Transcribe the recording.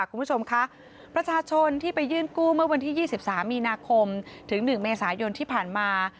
คุณผู้ชมคะประชาชนที่ไปยื่นกู้เมื่อวันที่๒๓มีนาคมถึง๑เมษายนที่ผ่านมา